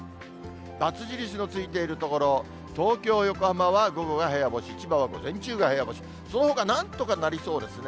バツ印のついている所、東京、横浜は午後が部屋干し、千葉は午前中が部屋干し、そのほかなんとかなりそうですね。